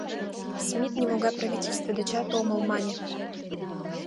Смит, нимогай правительстве дечат омыл, мане.